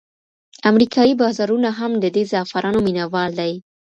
امریکایي بازارونه هم د دې زعفرانو مینوال دي.